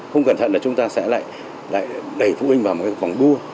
không cẩn thận là chúng ta sẽ lại đẩy phụ huynh vào một cái vòng đua